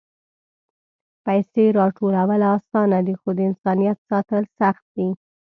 پېسې راټولول آسانه دي، خو د انسانیت ساتل سخت دي.